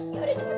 ya udah cepetan